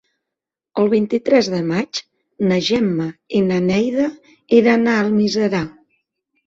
El vint-i-tres de maig na Gemma i na Neida iran a Almiserà.